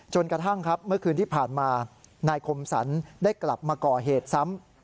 กระทั่งครับเมื่อคืนที่ผ่านมานายคมสรรได้กลับมาก่อเหตุซ้ำ